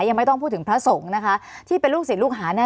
ยังไม่ต้องพูดถึงพระสงฆ์นะคะที่เป็นลูกศิษย์ลูกหาแน่